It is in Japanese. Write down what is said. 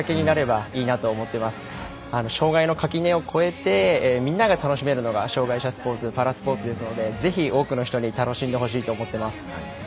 障がいの垣根を越えてみんなで楽しめるのが障がい者スポーツパラスポーツですのでぜひ多くの人に楽しんでほしいと思っています。